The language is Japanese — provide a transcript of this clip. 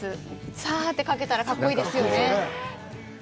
さあって書けたら、格好いいですよね。